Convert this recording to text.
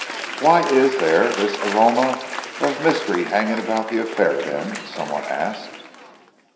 "Why is there this aroma of mystery hanging about the affair, then?" some one asked.